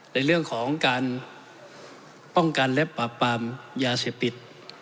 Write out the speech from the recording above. ในเรื่องของการป้องกันและปราบปรามยาเสพติด